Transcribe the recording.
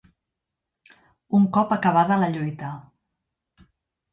Un cop acabada la lluita